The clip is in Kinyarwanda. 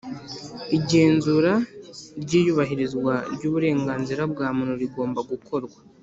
Igenzura ryiyubahirizwa ryuburenganzira bwa muntu rigomba gukorwa